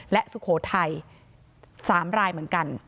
และสุโขทัย๓รายเหมือนกัน